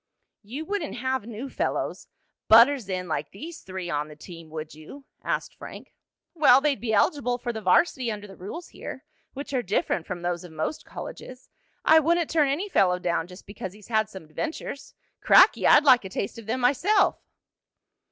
"You wouldn't have new fellows butters in like these three on the team; would you?" asked Frank. "Well, they'd be eligible for the varsity under the rules here, which are different from those of most colleges. I wouldn't turn any fellow down just because he'd had some adventures. Cracky! I'd like a taste of them myself!"